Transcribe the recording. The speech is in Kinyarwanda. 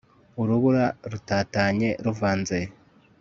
Urubura rutatanye ruvanze